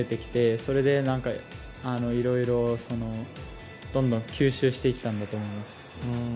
それで、いろいろどんどん吸収していったんだと思います。